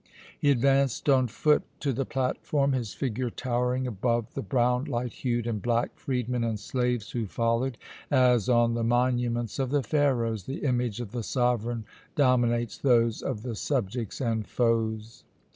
He advanced on foot to the platform, his figure towering above the brown, light hued, and black freedmen and slaves who followed as, on the monuments of the Pharaohs, the image of the sovereign dominates those of the subjects and foes.